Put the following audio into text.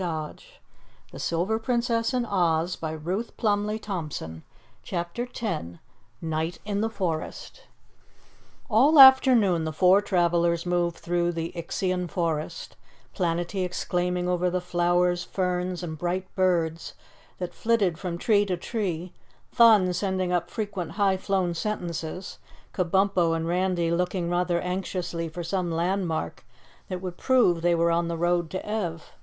He had rather hoped to find himself in open country. CHAPTER 10 Night in the Forest All afternoon the four travelers moved through the Ixian forest, Planetty exclaiming over the flowers, ferns and bright birds that flitted from tree to tree, Thun sending up frequent high flown sentences, Kabumpo and Randy looking rather anxiously for some landmark that would prove they were on the road to Ev.